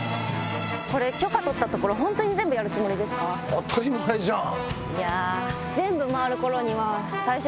当たり前じゃん。